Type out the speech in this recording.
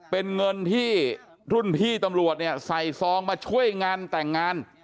เป็นเงินที่รุ่นพี่ตำรวจเนี่ยใส่ซองมาช่วยงานแต่งงาน